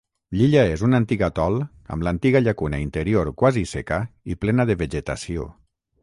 L'illa és un antic atol amb l'antiga llacuna interior quasi seca i plena de vegetació.